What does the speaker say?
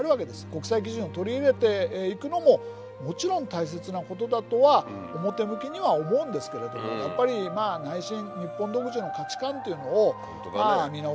国際基準を取り入れていくのももちろん大切なことだとは表向きには思うんですけれどもやっぱり内心